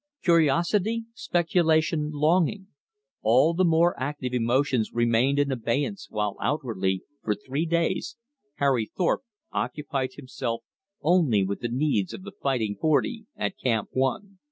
Curiosity, speculation, longing, all the more active emotions remained in abeyance while outwardly, for three days, Harry Thorpe occupied himself only with the needs of the Fighting Forty at Camp One.